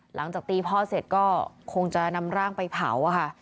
หลังจากตีพ่อเสร็จก็คงจะนำร่างไปเผาอะค่ะ